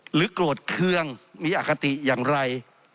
หรือกรวดเครื่องมีอคติอย่างไร